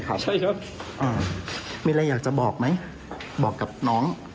ขอให้ลูกปลอดภัย